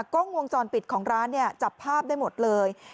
กล้องวงจรปิดของร้านเนี่ยจับภาพได้หมดเลย